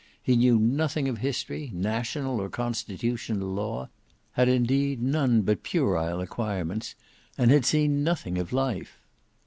He knew nothing of history, national or constitutional law, had indeed none but puerile acquirements, and had seen nothing of life.